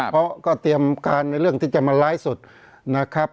เพราะก็เตรียมการในเรื่องที่จะมาไลฟ์สดนะครับ